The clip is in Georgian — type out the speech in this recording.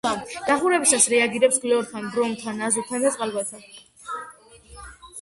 გახურებისას რეაგირებს ქლორთან, ბრომთან, აზოტთან და წყალბადთან.